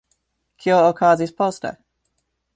Kio okazis poste?